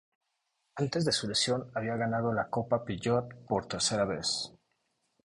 Antes de su lesión, había ganado la Copa Peugeot por tercera vez.